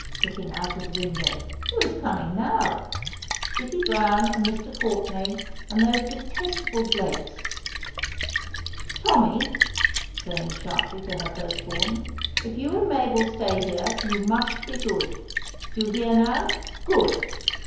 looking put of the window, "who is coming now? Dicky Browne and Mr. Courtenay and those detestable Blakes. Tommy," turning sharply to her first born. "If you and Mabel stay here you must be good. Do you hear now, good!